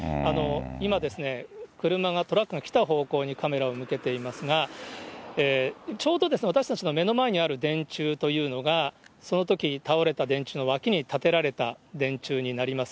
今、車が、トラックが来た方向にカメラを向けていますが、ちょうど私たちの目の前にある電柱というのが、そのとき倒れた電柱の脇に立てられた電柱になります。